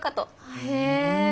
へえ。